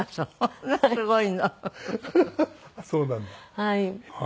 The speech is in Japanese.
はい。